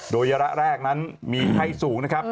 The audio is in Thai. โดยระยะแรกนั้นมีไข้สูงนะครับ